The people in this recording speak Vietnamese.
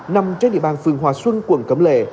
nằm trên địa bàn phường hòa xuân quận cẩm lệ